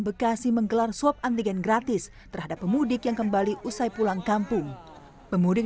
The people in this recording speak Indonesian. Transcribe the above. bekasi menggelar swab antigen gratis terhadap pemudik yang kembali usai pulang kampung pemudik